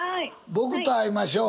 僕と会いましょう。